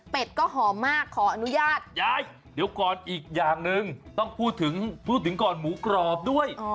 เป็นก็หอมมากขออนุญาตย้ายเดี๋ยวก่อนอีกอย่างหนึ่งต้องพูดถึงพูดถึงก่อนหมูกรอบด้วย